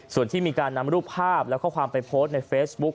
ส่วนที่มีการนำรูปภาพและข้อความไปโพสต์ในเฟซบุ๊ก